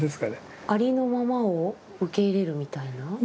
ありのままを受け入れるみたいな？